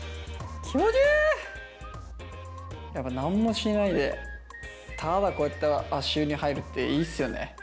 やっぱ何もしないでただこうやって足湯に入るっていいっすよね。